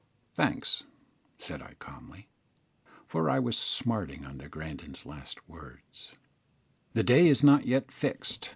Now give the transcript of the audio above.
"Thanks," said I, calmly, for I was smarting under Grandon's last words: "the day is not yet fixed.